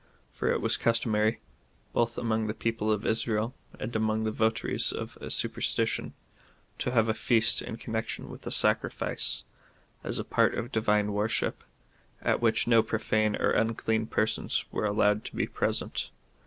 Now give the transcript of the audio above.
For it was customary, both among the people of Israel and among the votaries of superstition, to have a feast in connection with a sacrifice, as a part of divine worship, at which no profane or unclean persons were allowed to be pre sent.